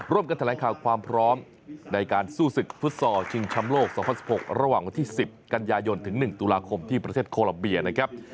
กันแถลงข่าวความพร้อมในการสู้ศึกฟุตซอลชิงชำโลก๒๐๑๖ระหว่างวันที่๑๐กันยายนถึง๑ตุลาคมที่ประเทศโคลัมเบียนะครับ